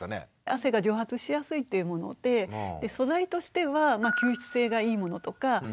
汗が蒸発しやすいっていうもので素材としては吸湿性がいいものとか。